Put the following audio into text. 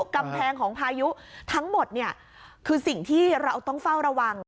กำแพงของพายุทั้งหมดเนี่ยคือสิ่งที่เราต้องเฝ้าระวัง